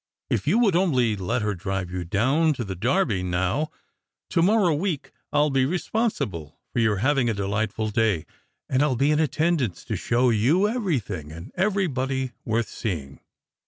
If you would only let her drive you down to the Derby now, to morrow week, I'll be responsible for your having a delightful day ; and I'll be in attendance to show you every thing and everybody worth seeing."